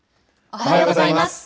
おはようございます。